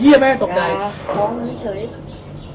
เยี่ยม่างตกใจ